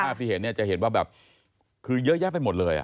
ที่เห็นเนี่ยจะเห็นว่าแบบคือเยอะแยะไปหมดเลย